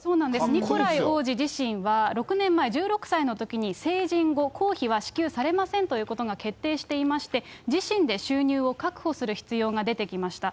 ニコライ王子自身は６年前、１６歳のときに、成人後、公費は支給されませんということが決定していまして、自身で収入を確保する必要が出てきました。